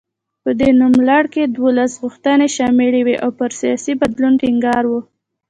په دې نوملړ کې دولس غوښتنې شاملې وې او پر سیاسي بدلون ټینګار و.